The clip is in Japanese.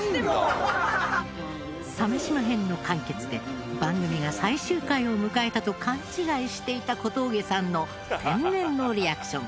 「鮫島編」の完結で番組が最終回を迎えたと勘違いしていた小峠さんの天然のリアクション。